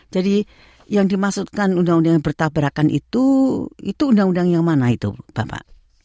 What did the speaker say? yang dimaksudkan undang undang yang bertabrakan itu itu undang undang yang mana itu bapak